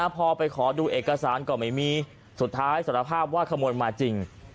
พอไปขอดูเอกสารก็ไม่มีสุดท้ายสารภาพว่าขโมยมาจริง